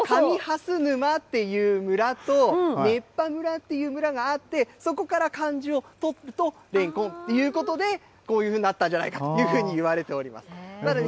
かみはすぬまという村と、ねっぱ村っていう村があって、そこから漢字を書くとレンコンということで、こういうふうになったんじゃないかというふうにいわれております。